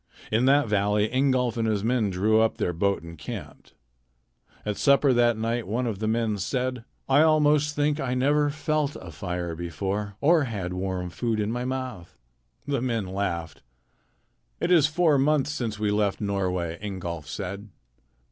In that valley Ingolf and his men drew up their boat and camped. At supper that night one of the men said: "I almost think I never felt a fire before or had warm food in my mouth." The men laughed. "It is four months since we left Norway," Ingolf said.